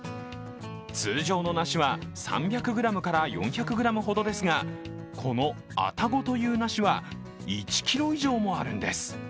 通常の梨は３００ｇから４００ｇほどですがこの愛宕という梨は１ｋｇ以上もあるんです。